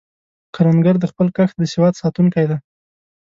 کروندګر د خپل کښت د سواد ساتونکی دی